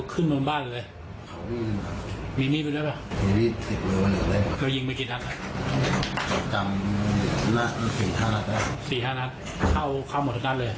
พื้นมีทะเบียนไหม